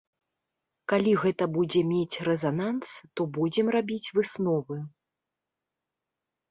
Калі гэта будзе мець рэзананс, то будзем рабіць высновы.